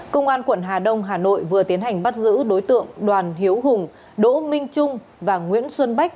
công an quận hà đông hà nội vừa tiến hành bắt giữ đối tượng đoàn hiếu hùng đỗ minh trung và nguyễn xuân bách